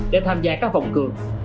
để tham gia các vòng cường